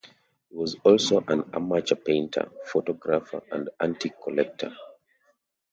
He was also an amateur painter, photographer and antique collector.